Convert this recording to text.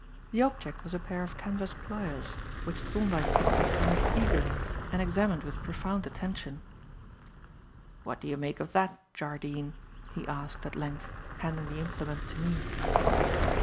The object was a pair of canvas pliers, which Thorndyke picked up almost eagerly and examined with profound attention. "What do you make of that, Jardine?" he asked, at length, handing the implement to me.